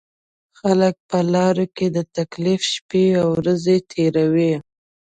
خلک په لارو کې د تکلیف شپېورځې تېروي.